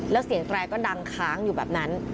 แล้วเสียงแตรก็ดังค้างอยู่แบบนั้น